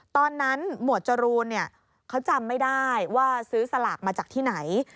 ตอนนั้นหมวดจรูนเนี่ยเขาจำไม่ได้ว่าซื้อสลากมาจากที่ไหน